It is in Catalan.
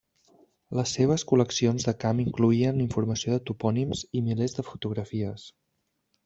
Les seves col·leccions de camp incloïen informació de topònims i milers de fotografies.